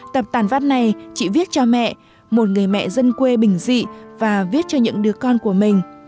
tập tàn văn này chị viết cho mẹ một người mẹ dân quê bình dị và viết cho những đứa con của mình